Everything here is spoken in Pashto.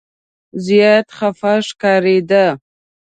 زیات خفه ښکارېد.